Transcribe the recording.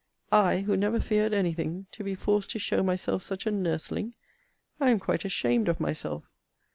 I, who never feared any thing, to be forced to show myself such a nursling! I am quite ashamed of myself!